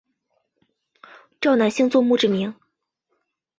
赵南星作墓志铭。